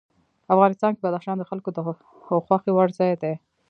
افغانستان کې بدخشان د خلکو د خوښې وړ ځای دی.